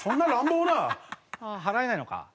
払えないのか。